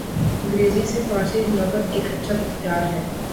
انگریزی سے فارسی لغت ایک اچھا اختیار ہے